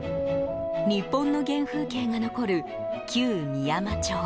日本の原風景が残る旧美山町。